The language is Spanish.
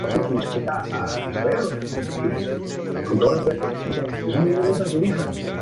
Sus brazos están tatuados desde el hombro hasta el codo.